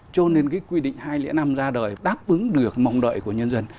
cho nên cái quy định hai trăm linh năm ra đời đáp ứng được mong đợi của nhân dân